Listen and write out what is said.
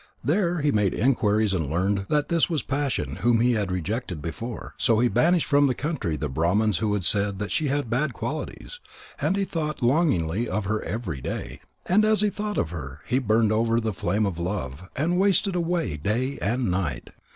There he made inquiries and learned that this was Passion whom he had rejected before. So he banished from the country the Brahmans who had said that she had bad qualities, and he thought longingly of her every day. And as he thought of her, he burned over the flame of love, and wasted away day and night.